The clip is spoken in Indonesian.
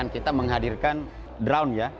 kita menghadirkan drone ya